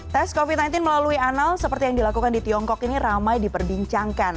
tes covid sembilan belas melalui anal seperti yang dilakukan di tiongkok ini ramai diperbincangkan